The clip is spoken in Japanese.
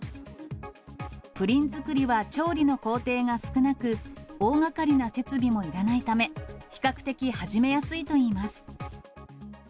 プリン作りは調理の工程が少なく、大がかりな設備もいらないため、比較的始めやすいといいます。